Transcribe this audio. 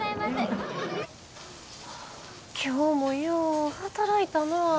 今日もよう働いたな。